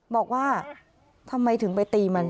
บอกว่าทำไมถึงไปตีมัน